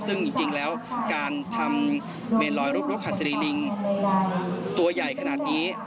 ซึ่งจริงแล้วการทำเมนลอยรูปนกหัสดีลิงตัวใหญ่ขนาดนี้